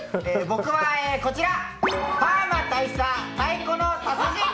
僕はこちら！